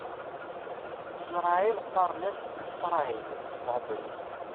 Iṣṛayil qqaṛen-as "Yisṛayil" s tɛebrit.